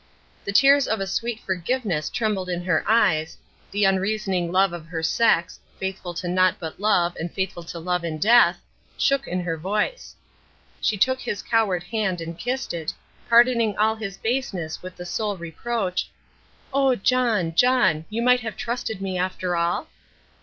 The tears of a sweet forgiveness trembled in her eyes, the unreasoning love of her sex faithful to nought but love, and faithful to love in death shook in her voice. She took his coward hand and kissed it, pardoning all his baseness with the sole reproach, "Oh, John, John, you might have trusted me after all?"